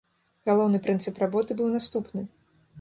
Галоўны прынцып работы быў наступны.